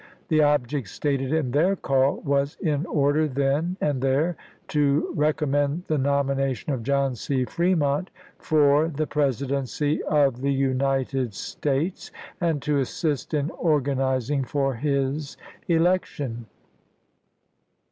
The object stated in their call was " in order then and there to recom mend the nomination of John C. Fremont for the Presidency of the United States, and to assist in organizing for his election."